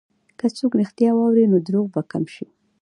که څوک رښتیا واوري، نو دروغ به کم شي.